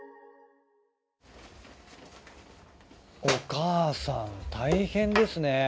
お母さん大変ですね。